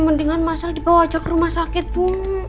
mendingan masal dibawa aja ke rumah sakit bu